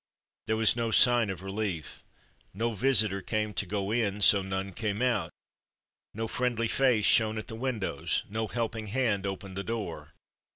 There was no sign of relief. No visitor came to go in, so none came out. No friendly face shone at the windows, no helping hand opened the door.